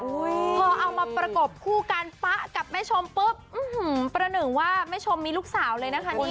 พอเอามาประกบคู่กันป๊ะกับแม่ชมปุ๊บประหนึ่งว่าแม่ชมมีลูกสาวเลยนะคะนี่